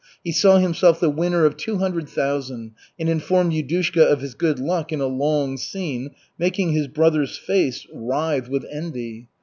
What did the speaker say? He saw himself the winner of two hundred thousand, and informed Yudushka of his good luck in a long scene, making his brother's face writhe with envy.